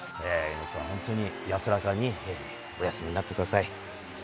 猪木さん、本当に安らかにお休みになってください。